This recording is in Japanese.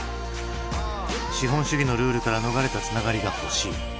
資本主義のルールから逃れたつながりが欲しい。